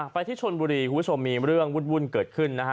ที่ชนบุรีคุณผู้ชมมีเรื่องวุ่นเกิดขึ้นนะฮะ